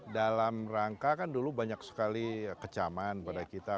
dalam rangka kan dulu banyak sekali kecaman pada kita